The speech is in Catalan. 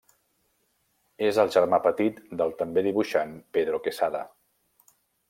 És el germà petit del també dibuixant Pedro Quesada.